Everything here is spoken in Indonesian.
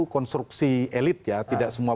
konstruksi elit ya tidak semua